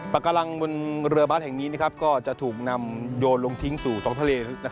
ปากการังบนเรือบาสแห่งนี้ก็จะถูกนำโยนลงทิ้งสู่ท้องทะเล